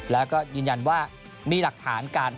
แล้วก็ยืนยันว่ามีหลักฐานการ